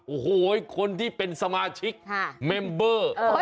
โอ้โหคนที่เป็นสมาชิกเมมเบอร์